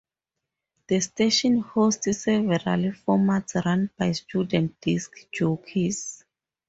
The station hosts several formats run by student disc jockeys.